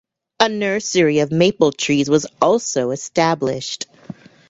A nursery of maple trees was also established.